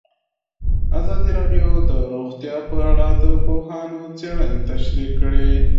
ازادي راډیو د روغتیا په اړه د پوهانو څېړنې تشریح کړې.